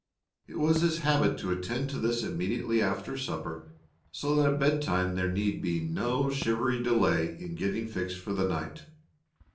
It was his habit to attend to this immediately after supper so that at bedtime there need be no shivery delay in getting fixed for the night.